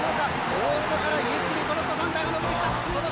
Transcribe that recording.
大外から一気にトロットサンダーがのびてきた！